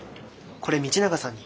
これ道永さんに。